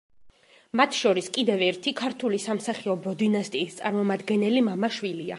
მათ შორის კიდევ ერთი ქართული სამსახიობო დინასტიის წარმომადგენელი მამა-შვილია.